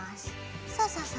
そうそうそう。